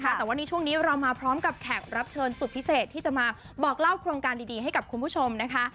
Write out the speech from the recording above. แต่ว่าในช่วงนี้เรามาพร้อมกับแขกรับเชิญสุดพิเศษที่จะมาบอกเล่าโครงการดีให้กับคุณผู้ชมนะคะ